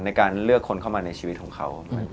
ในการเลือกคนเข้ามาในชีวิตของเขา